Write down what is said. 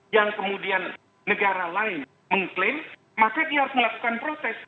yang kemudian negara lain mengklaim maka dia harus melakukan protes